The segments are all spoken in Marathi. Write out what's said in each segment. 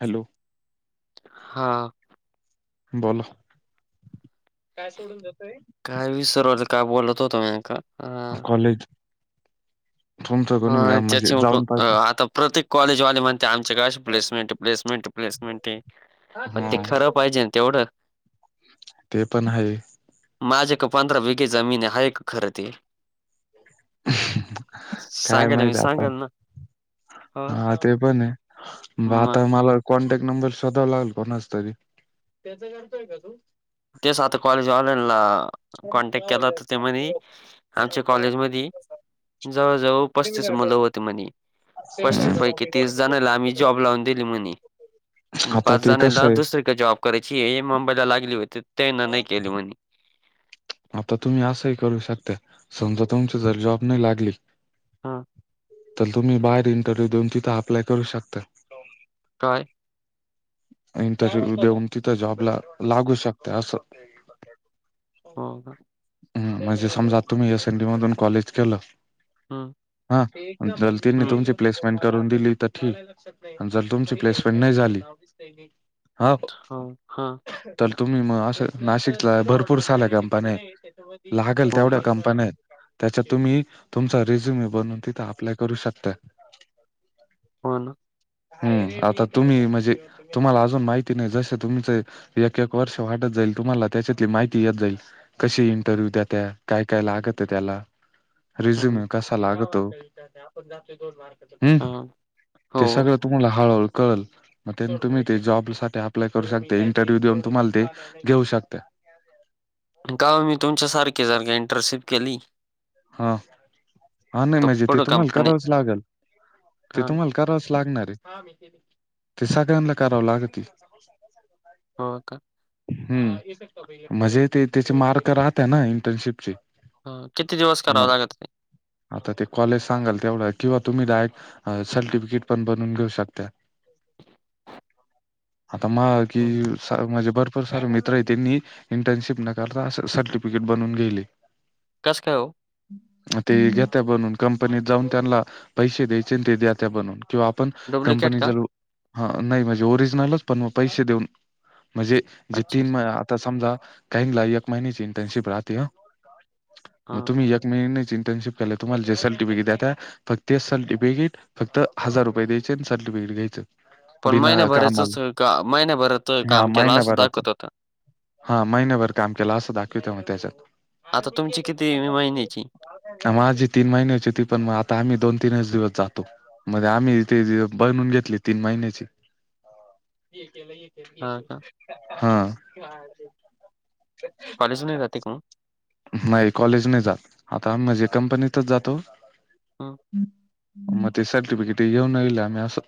हॅलो. हा. बलो. काय सोडून देतोय. काय विसरवल काय बोलत होत मी नेमका. कॉलेज. तुमचं कोणी व्या- ह. म्हणजे त्याचे जाऊन पाहिजे आता प्रत्येक कॉलेजवाले म्हणता. आमच्या काडे अशी प्लेसमेंटे. प्लेसमेंटे प्लेसमेंटे. हा. ते पण हाये. माझ्याक पंधरा बीगे जमीने. हाये का खर ते. काय सांगायला मी माहित आता सांगल ना. हां. हा ते पणे. मग आता मला कॉन्टॅक्ट नंबर शोधावा लागल. कोणाचा तरी. तेच आाता कॉलेज वाल्याला कॉन्टॅक्ट केला त ते म्हणी. आमच्या कॉलेजमधी जवळजवळ पस्तीस मुलं होते म्हणी. हम्म. पस्तीस पैकी तीस जणाला. आम्ही जॉब लावून दिली म्हणी. आणि आता पाच ते कसं जणायला आहे दुसरी क जॉब करायचीये. मुंबईला लागली होती त तेन नाही केले म्हणी. आता तुम्ही असंही करू शकता. समजा तुमची जर जॉब नाही लागली. हां. तर तुम्ही बाहेर इंटरव्हू देऊन. तिथं अप्लाय करू शकता. काय? इंटरव्ह्यू देऊन, तिथं जॉबला लागू शकता असं. हो का? ह म्हणजे समजा, तुम्ही एसएन डी मधून कॉलेज केलं. हं, हा. जर तेनी हं, तुमची प्समेंट करून दिली त ठीक. जर तुमची प्लेसमेंट नाही झाली. हा हो, हा. तर तुम्ही म असं. नाशिकला भरपूर साल्या कंपन्याय. लागल तेवढ्या होगा, कंपन्याय. त्याच्यात तुम्ही. तुमचा रेझ्युमे बनून तिथे अप्लाय करू शकताय. हो ना. हम्म. आता तुम्ही म्हणजे, तुम्हाला अजून माहिती नाही. जसे तुमचे एक एक वर्ष वाढत जाईल, तुम्हाला त्याच्यातली माहिती येत जाईल. कशी इंटरव्ह्यू दात्या काय काय लागत त्याला हं, रिझ्यूम कस. लागतो हम्म हां, ते हो. सगळं. तुम्हाला हळहळ कळल. मग ते तुम्ही ते जॉबसाठी अप्लाय करू शकता इंटरव्ह्यू देऊन तुम्हाला ते घेऊ शकत्या. का मी तुमच्यासारखे सारखे इंटरशिप केली. हा हा नाही तर माजे ते पुढं तुम्हाला कंपनी करावच लागेल ते हां ना, तुम्हाला. करावच लागणारे ते सगळ्यांना कराव लागती. तो सांगायला सांग बाई. हो का. हम् म्हणजे ते त्याचे मार्क राहत ना इंटर्नशिपचे. ह किती दिवस करावा मग लागत ते. आता ते कॉलेज सांगाल तेवढा किंवा तुम्हीला एक सर्टिफिकेट पण बनवून घेऊ शकत्यात. ह [inaudible] आता मा कि सा म्हणजे बर. सार मित्र आहे त्यांनी इंटर्नशिप नकारता अस सर्टिफिकेट बनून गेले. कस काय हो. ते घेत्या बनून कंपनीत जाऊन त्यांना पैसे द्यायचे आणि ते द्या त्या्या बनून. किंवा आपण डुप्लिकेट कंपनी का? जरु. हा नाही म्हणजे ओरिजनलच पण मग पैसे देऊन म्हणजे जे अच्छा, तीन अच्छा. म तर समजा काही ला एक महिनची इंटर्नशिप राहते ह. मग हां. तुम्ही एक महिननेच इंटर्नशिप केला तुम्हाला जेसलटी बिकी द्याता. फक्त ते सर्टिफिकेट फक्त हजार रुपये द्यायचे आणि सर्टिफिकेट घ्यायचं. पण बिना महिनेभरचच कामाला सगळं काम महिनेभरच हा काम केलं अस दाखव. महिन्याभराचा हा महिनभर काम केलं असं दाखवते म त्याच्या. आता तुमची किती महिन्याची. माझी तीन महिन्या होची होती पण मग आता आम्ही दोन तीनच दिवस जातो. मध्ये आम्ही ते बनून घेतले तीन महिन्याची. हां का? हा. कॉलेज नाही जाते का मग? नाही कॉलेज नाही जात आता माझे कंपनीतच जातो. हं, मग ते सर्टिफिकेट येऊन येल आम असं.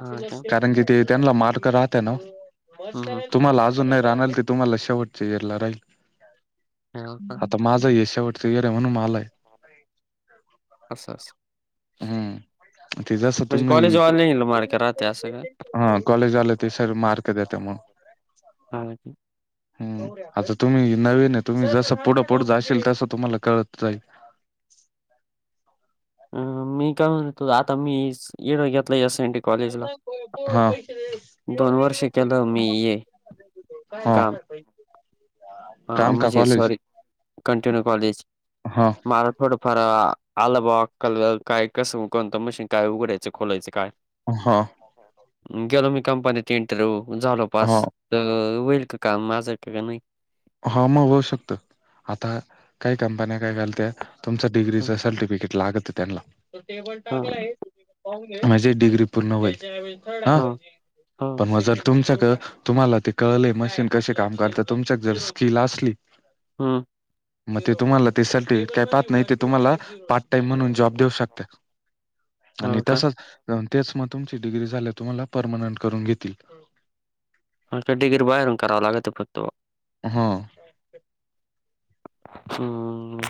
हां का? कारण कि ते त्यांना मार्क राहत ना हं, हं, तुम्हाला आल. अजून नाही राल तुम्हाला शेवटला राहील. हो का? आता माझा शेवटचं गरे म्हणून मलाय. असं अस. हम. म्हणजे कॉलेजवाले ल मार का राहते अस का. हा कॉलेज हा आलं त सर मार्क देते म्हणून. हा की. हम आता तुम्ही नवीन आहे तुम्ही जसं पुढं पुढ जा असशेल तसं तुम्हाला कळत जाईल. अ मी काय म्हणेतो आता मी येड घेतला या संट. हा. दोन वर्ष केलं मी ये हा काम. ह काम का अम्जे कॉलेज सॉारी कंटिन्यू कॉलेज. हा मला थोडंफार आलबा कल काय कसं कोणतं मशीन. काय उघडायचं खोलायचे काय. हा. गेलो मी कंपनीत इंटरव्ह्यू झालो हा पास. तर होईल का माझं का नाही. ह मग होऊ शकत आता काही कंपन्या काय घालत्या. तुमच डिग्रीच ह सर्टिफिकेट लागत त्यांना. माझी डिग्री पूर्ण होईल हं. ह ह पण मग जर तुमच क तुम्हाला ते - - कळले मशीन कशी काम करते तुमच्यात जर स्किल असली - - हम्म. मग ते तुम्हाला ते सर्टिफिकेट काय पाहत नाही ते तुम्हाला पार्ट टाइम म्हणून जॉब देऊ शकते. आणि हो का तसच तेच मग तुमची डिग्री झाली तुम्हाला परमनंट करून घेतील. [unintelligible] बाहेरून कराव लागते फक्त हं. हम्म.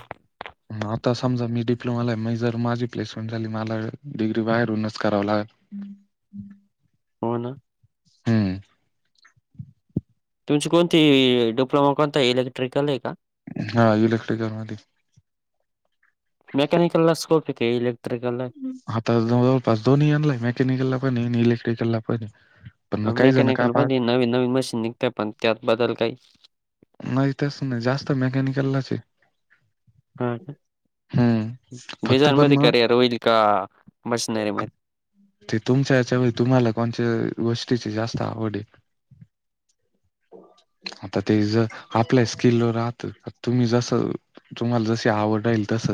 आता समजा मी डिप्लोमाला आहे म जर माझी प्लेसमेंट झाली मला डिग्री बाहेरहूनच कराववी लाग - - हम्म. हो ना. हम्म तुमची कोणती डिप्लोमा कोणता इलेक्ट्रिकल हेका? हा इलेक्ट्रिक म [unintelligible] मेकॅनिकल स्कोप किती हाय इलेक्ट्रिकला आता जवळपास दोनीहीलाय मेकॅनिकलला पणहि आणि इलेक्ट्रिकलला पण. पण मग काही जण काय पा - - नवी नवी मशीन निघत पण त्यातबद्दल काही नाही तेच नाही जास्त मेकॅनिकललाच हे. हा हम्म फक्त डिझाईन पण मध्ये मग करयर होईल का मशनरी मध्ये- - ते तुमच्या याच्या व तुम्हाला कोणत्या गोष्टीची जास्त आवडये. आता ते ज आपल्या स्किलवर राहत. तुम्ही जस तुम्हाला जशी आवडईल तस.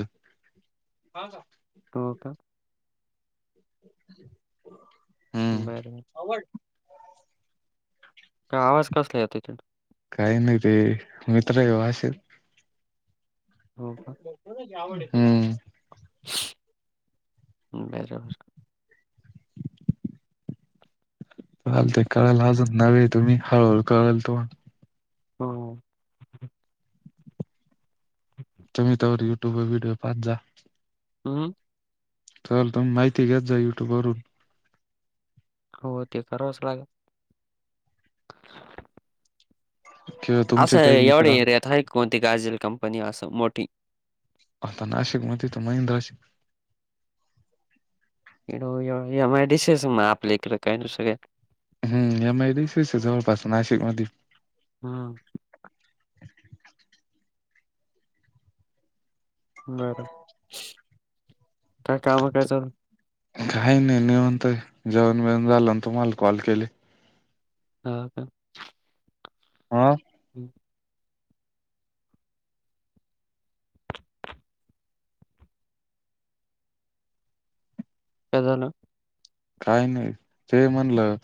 हो का. [unintelligible] हम्म. बर. काय आवाज कसला येतोय तिथून? काही नाही रे मित्र येऊ असेल. हो का. [unintelligible] आवड ये. [unintelligible] [unintelligible] ते कळेल अजून नवे तुम्ही हळूहळु कळल तुला. हो. तुम्ही तरवर युट्यूब व्हिडिओ पाचत जा. हम्. सर तुम्ही माहिती घेत जा युट्यूब वरून. हो ते करावचं लागल. किंवा असं तुमचे काही एवढी मित्र एरियात आहे कोणती गाजल कंपनी असं मोठी. आता नाशिक मध्ये त महिंद्रा ए [unintelligible] आपल्या हिकड काय दुसरी. हम्म. या [unintelligible] जवळपास नाशिक मध्ये. हंम्म. बरं. काय काम काय चाल - - काही नाही निवांत हाय. जेवण बेवन झालं आणि तुम्हाला कॉल केले. ह का. हा. [inaudible] का झालं? काय नाही. ते म्हणलं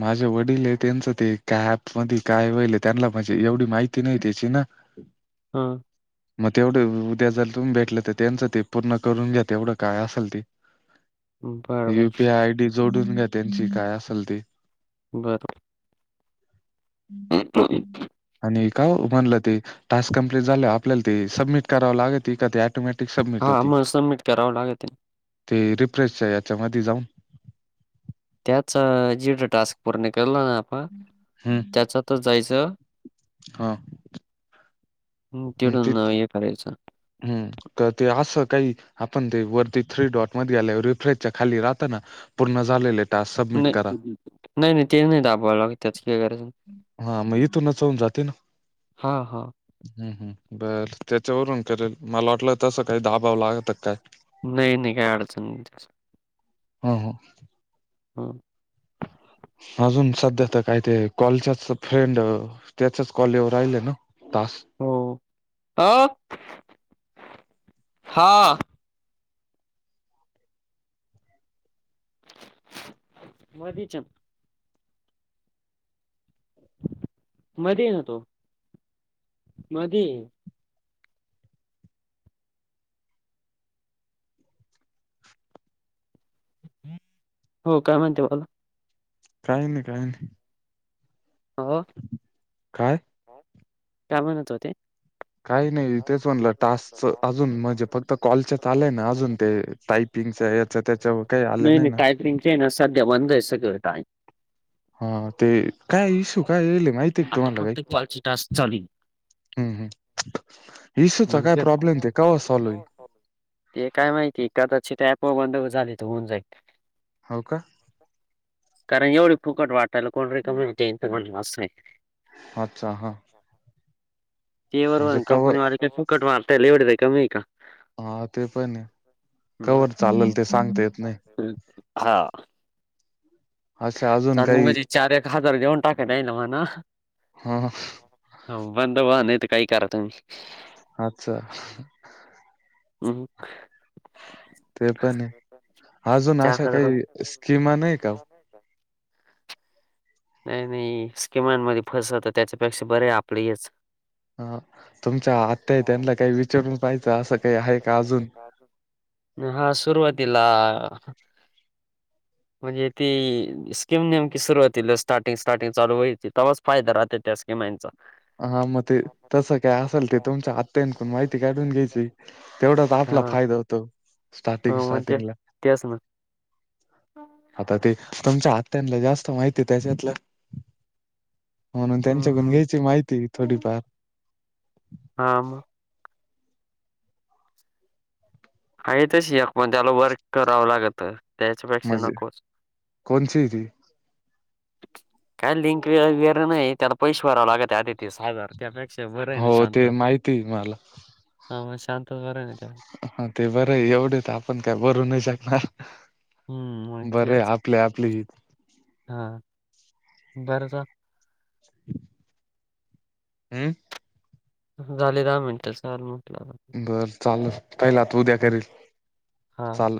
माझे वडील ये त्यांचं ते काॅप मध्ये काय व्हायलय त्यांना म्हणजे एवढी माहिती नाही त्याची ना. ह्. हां मग तेवढं उद्या जर तुम्ही भेटलं तर त्यांचं ते पूर्ण करून घ्या तेवढं काय असलं ते [inaudible] बरं- बरं युपीआय आयडी जोडून घ्या त्यांची काय असेल ते बरं [inaudible] आणि काव म्हणलं ते टास्क कम्प्लीट झालंवर आपल्याला ते सबमिट करावं लागते ऑटोमॅटिक सबमिट हा होती मग सबमिट करावं लागत ते रिप्रेश याच्यामध्ये जाऊन त्याचा जेवढा टास्क पूर्ण केला ना मग हम्म त्याचातच जायचं हा हम्म ते तिकडुन ना हे करायचं हम्म तर ते असं काही आपण ते वरती थ्री डॉट मध्ये आल्यावर रिफ्रेजच्या खाली राहत ना पूर्ण झालेले टास्क सबमिट नाही करा. नाही नाही ते नाही दबावा लागत त्याची काही गरज नाही हा मग इथूनच होऊन जाते ना हा हा हम्म हम्म बर त्याच्यावरून करेल मला वाटलं तसं काही दबाव लागत की काय नाही नाही काय अडचण नाही त्याच हम्म हम्म हम्म अजून सध्या तर काय ते कॉलचच फ्रेंड त्याच्याच कॉल येऊन राहिले ना तास हो ह हा मधीच्या मधी आहे ना तो मधीये हो काय म्हणते बोला काय नाही काय नाही हो काय काय म्हणत होते काही नाही तेच म्हणलं टास्कच अजून म्हणजे फक्त कॉलच आलय ना अजून ते टाईप पिगच हेच त्याच्यावर काही आल नाही ना ते ना सध्या बंद आहे सगळं हा ते काय इशू काय यायलय माहिती आता तुम्हाला काही फक्त कॉलचे टास्क चालू आहे. हम्म -हम्म इश्यूचा काय प्रॉब्लेम ते कवा सॉल्व्ह होईल ते काय माहिती कदाचित ॲप बंद झाली होऊन जाईल हाव का कारण एवढे फुकट वाटायला कोण रिकाम होतील अच्छा हा [unintelligible] ते वर म्हणजे कवर कंपनी वाले काही फुकट वाटायला एवढ कमी आहे का हा ते पण आहे मग. कवर चालेल ते सांगता येत नाही हा अशा अजून चालले काही म्हणजे चार एक हजार घेऊन टाकाता येईल ना म्हणा हा बंद व्हा नाही तर काही करा तुम्ही अच्छा [inaudible] ते पण आहे अजून अशा काही स्कीमा नाही का ओ नाही का [inaudible] नाही -नाही स्किमांमध्ये फसवत त्याच्यापेक्षा बरं आहे आपलं हेच. ह तुमच्या आत्यात्यांनला काही विचारून पाहियचं असं काही आहे का अजून ह [inaudible] हा सुरवातीला. [inaudible] म्हणजे ती स्कीिम नेमकी सुरुवातीला स्टार्टिंग स्टार्टिंग चालू व्हाय त फायदा राहत त्या स्किमचा हा मग ते तसं काय असेल ते तुमच्या आत्यानकडुन माहिती काढून घ्यायची तेवढाच आपला हा फायदा होतो. स्टार्टिंग- हो मग ते स्टार्टिंगला तेच ना आता ते तुमच्या आत्यांला जास्त माहिती त्याच्यातलं. म्हणून त्यांच्याकडून हम्म. घ्यायची माहिती थोडी फार हा मग. आहे तशी यक [unintelligible] मण त्याला वर्क करावं लागत. त्याच्या पेक्षा म्हणजे नकोच. कोणची ती काय लिंक वगैरे नाही त्यांना पैसे भरावं लागत त्या [inaudible] हो ते माहिती आहे मला हा मग शांत बर नाही त्या [unintelligible] हा ते बरं आहे एवढे तर आपण काय भरू नाही शकणार. हम्म [unintelligible] बरे माहितीच आपले आपली हा बरंच. [inaudible] हम झाले दहा मिनटच काल म्हटला. बरं चाल पहिला आ त उद्या करील हा. चाल.